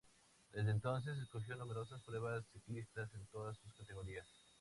Desde entonces acogió numerosas pruebas ciclistas en todas sus categorías.